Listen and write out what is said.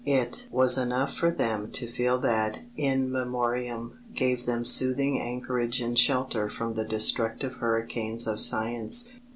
It was enough for them to feel that In Memoriam gave them soothing anchorage and shelter from the destructive hurricanes of science.